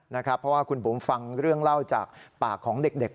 เพราะว่าคุณบุ๋มฟังเรื่องเล่าจากปากของเด็ก